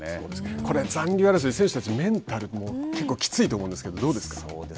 これは残留争い選手たちのメンタル結構、きついと思うんですけどどうですか。